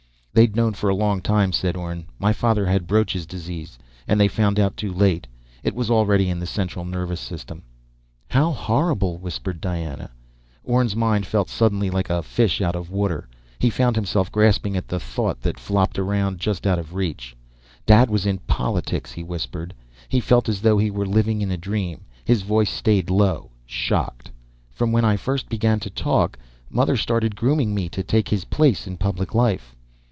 "They'd known for a long time," said Orne. "My father had Broach's disease, and they found out too late. It was already in the central nervous system." "How horrible," whispered Diana. Orne's mind felt suddenly like a fish out of water. He found himself grasping at a thought that flopped around just out of reach. "Dad was in politics," he whispered. He felt as though he were living in a dream. His voice stayed low, shocked. "From when I first began to talk, Mother started grooming me to take his place in public life."